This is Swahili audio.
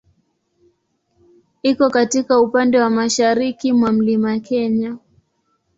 Iko katika upande wa mashariki mwa Mlima Kenya.